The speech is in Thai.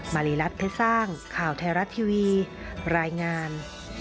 มาริรัติเทศสร้างข่าวไทยรัฐทีวีรายงาน